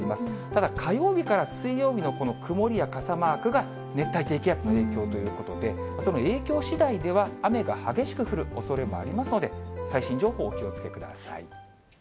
ただ、火曜日から水曜日のこの曇りや傘マークが、熱帯低気圧の影響ということで、その影響しだいでは、雨が激しく降るおそれもありますので、最新情報、お気をつけください。